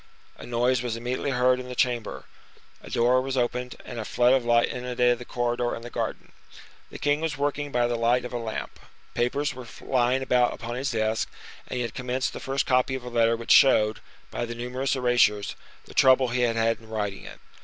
A noise was immediately heard in the chamber, a door was opened, and a flood of light inundated the corridor and the garden. The king was working by the light of a lamp. Papers were lying about upon his desk, and he had commenced the first copy of a letter which showed, by the numerous erasures, the trouble he had had in writing it.